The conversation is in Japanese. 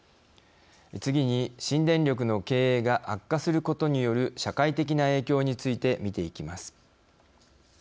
次に、新電力の経営が悪化することによる社会的な影響について見ていきます。